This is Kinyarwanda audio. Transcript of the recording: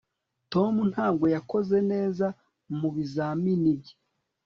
Tom ntabwo yakoze neza mubizamini bye